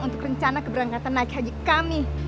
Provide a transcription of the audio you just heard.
untuk rencana keberangkatan naik haji kami